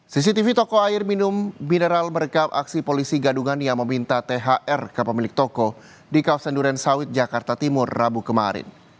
cctv toko air mineral merekam aksi polisi gadungan yang meminta thr ke pemilik toko di kawasan duren sawit jakarta timur rabu kemarin